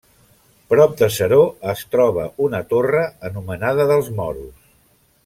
Prop de Seró es troba una torre anomenada dels Moros.